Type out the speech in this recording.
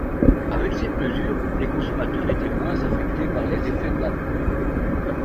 Avec cette mesure, les consommateurs étaient moins affectés par les effets de l’alcool.